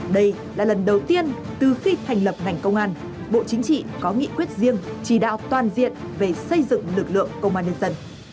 đây là lần đầu tiên từ khi thành lập ngành công an bộ chính trị có nghị quyết riêng chỉ đạo toàn diện về xây dựng lực lượng công an nhân dân